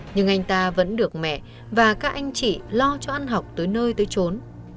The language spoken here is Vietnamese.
nhưng anh ta vẫn được mẹ và các anh chị lo cho ăn học tới nơi tới trốn